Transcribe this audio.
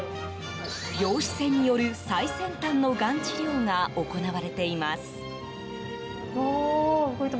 陽子線による最先端のがん治療が行われています。